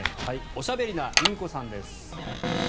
おしゃべりなインコさんです。